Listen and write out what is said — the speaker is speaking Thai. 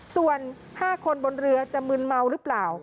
ส่วน๕คนบนเรือจะมึนเมาหรือเปล่า